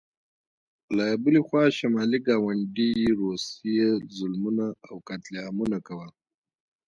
له بلې خوا شمالي ګاونډي روسیې ظلمونه او قتل عامونه کول.